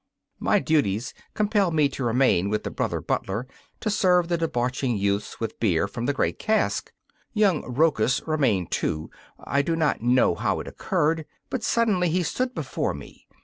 My duties compelled me to remain with the brother butler to serve the debauching youths with beer from the great cask. Young Rochus remained too. I do not know how it occurred, but suddenly he stood before me.